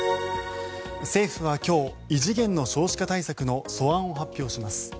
政府は今日異次元の少子化対策の素案を発表します。